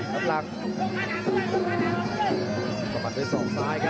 ส่วนหน้านั้นอยู่ที่เลด้านะครับ